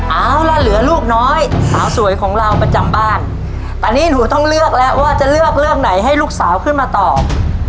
เอาล่ะเหลือลูกน้อยสาวสวยของเราประจำบ้านตอนนี้หนูต้องเลือกแล้วว่าจะเลือกเรื่องไหนให้ลูกสาวขึ้นมาตอบ